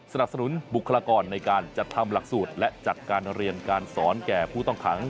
สนับสนุนบุคลากรในการจัดทำหลักสูตรและจัดการเรียนการสอนแก่ผู้ต้องขัง